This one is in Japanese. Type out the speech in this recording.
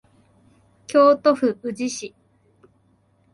京都府宇治市